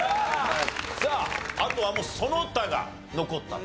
さああとはその他が残ったと。